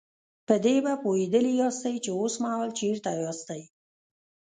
په دې به پوهېدلي ياستئ چې اوسمهال چېرته ياستئ.